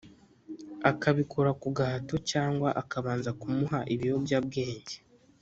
Akabikora ku Agahato cyangwa akabanza kumuha ibiyobyabwenge